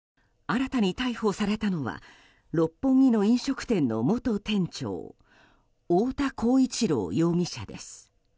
新たに逮捕されたのは六本木の飲食店の元店長太田浩一朗容疑者です。